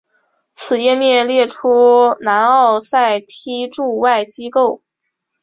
此页面列出南奥塞梯驻外机构。